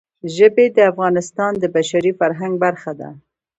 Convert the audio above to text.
ژبې د افغانستان د بشري فرهنګ برخه ده.